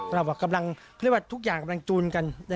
เรญียดก็กำลัง